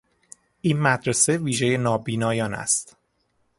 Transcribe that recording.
این مدرسه ویژهی نابینایان است.